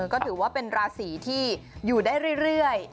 ก็ถือว่าเป็นราศีที่อยู่ได้เรื่อย